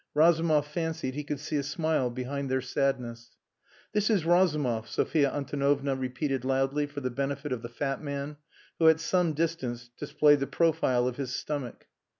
Razumov fancied he could see a smile behind their sadness. "This is Razumov," Sophia Antonovna repeated loudly for the benefit of the fat man, who at some distance displayed the profile of his stomach.